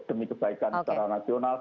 demi kebaikan secara nasional